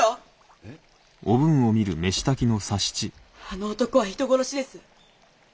あの男は人殺しです。